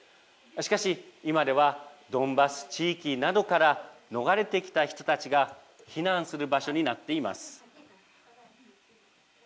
しかし、今ではドンバス地域などから逃れてきた人たちが避難する場所になっています。